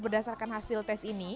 berdasarkan hasil tes ini